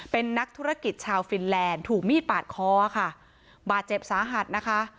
เป็นนักธุรกิจชาวฟินแลนด์ถูกมีดปาดคอค่ะบาดเจ็บสาหัสนะคะ